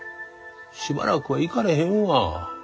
しばらくは行かれへんわ。